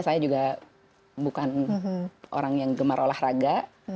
saya juga bukan orang yang gemar olahraga